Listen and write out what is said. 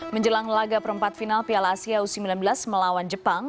menjelang laga perempat final piala asia u sembilan belas melawan jepang